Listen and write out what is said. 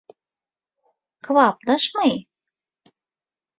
Kybapdaşmy?